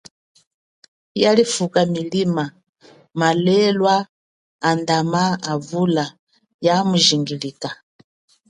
Yalifuka milima, malelwa andama avula ya mujingilika.